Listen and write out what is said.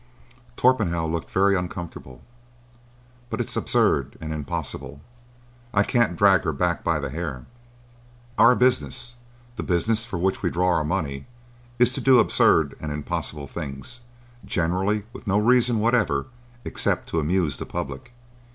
Torpenhow looked very uncomfortable. "But it's absurd and impossible. I can't drag her back by the hair." "Our business—the business for which we draw our money—is to do absurd and impossible things,—generally with no reason whatever except to amuse the public.